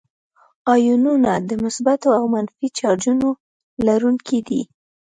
آیونونه د مثبتو او منفي چارجونو لرونکي دي.